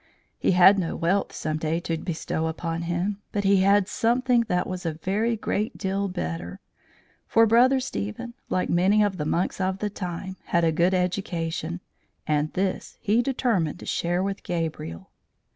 He had no wealth some day to bestow upon him, but he had something that was a very great deal better; for Brother Stephen, like many of the monks of the time, had a good education; and this he determined to share with Gabriel.